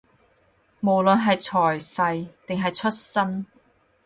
無論係財勢，定係出身